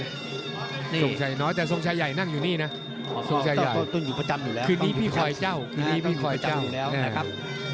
สงชายน้อยแต่สงชายใหญ่นั่งอยู่นี่นะต้องต้องอยู่ประจำอยู่แล้วคืนนี้พี่คอยเจ้าต้องต้องอยู่ประจำอยู่แล้วนะครับ